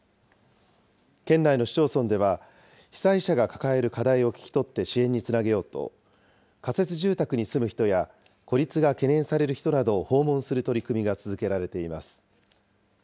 県内の市町村では、被災者が抱える課題を聞き取って支援につなげようと、仮設住宅に住む人や、孤立が懸念される人などを訪問する取り組みが続けられています。